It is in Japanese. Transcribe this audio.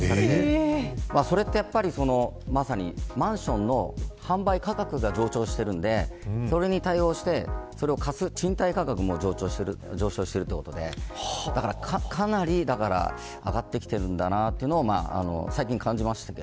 それって、やっぱりまさにマンションの販売価格が上昇しているのでそれに対応して、それを貸す賃貸価格も上昇しているということでなので、かなり上がってきているんだなと最近感じました。